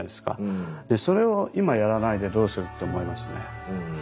でそれを今やらないでどうするって思いますね。